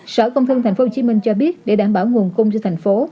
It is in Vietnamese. sở công thương tp hcm cho biết để đảm bảo nguồn cung cho thành phố